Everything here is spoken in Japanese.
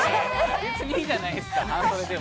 別にいいじゃないですか、半袖でも。